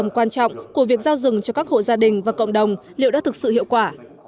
tầm quan trọng của việc giao rừng cho các hộ gia đình và cộng đồng liệu đã thực sự hiệu quả